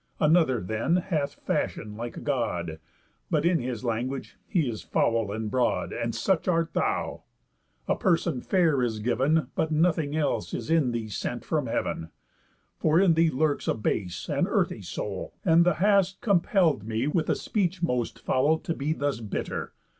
Another, then, hath fashion like a God, But in his language he is foul and broad. And such art thou. A person fair is giv'n, But nothing else is in thee sent from heav'n; For in thee lurks a base and earthy soul, And t' hast compell'd me, with a speech most foul, To be thus bitter.